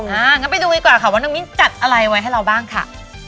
งั้นไปดูดีกว่าค่ะว่าน้องมิ้นจัดอะไรไว้ให้เราบ้างค่ะ